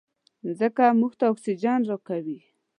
مځکه موږ ته اکسیجن راکوي.